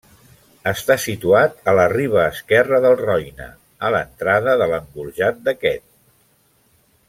Està situat a la riba esquerra del Roine, a l'entrada de l'engorjat d'aquest.